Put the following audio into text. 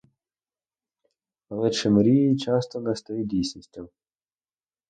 Але чи мрії часто не стають дійсністю?